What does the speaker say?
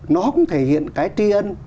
nó không thể hiện cái tri ân